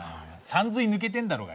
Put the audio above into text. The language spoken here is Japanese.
さんずい抜けてんだろうがよ。